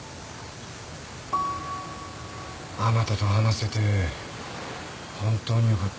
あなたと話せて本当によかった。